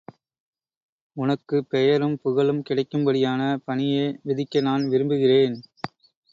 உனக்குப் பெயரும் புகழும் கிடைக்கும்படியான பணியே விதிக்க நான் விரும்புகிறேன்.